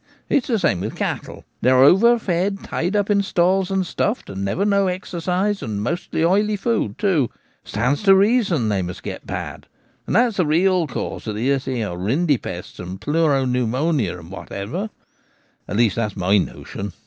It's the same with cattle ; they're overfed, tied up in stalls and stuffed, and never no exercise, and mostly oily food too. It stands to reason they must get bad ; and that's the real cause of these here rinderpests and pleuro pneumonia and what nots. At least that's my notion.